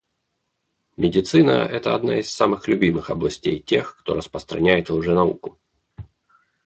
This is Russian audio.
Медицина — это одна из самых любимых областей тех, кто распространяет лженауку.